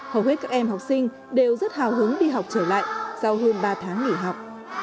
hầu hết các em học sinh đều rất hào hứng đi học trở lại sau hơn ba tháng nghỉ học